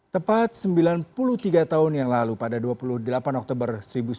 tepat sembilan puluh tiga tahun yang lalu pada dua puluh delapan oktober seribu sembilan ratus empat puluh